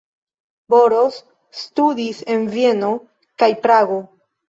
Boros studis en Vieno kaj Prago.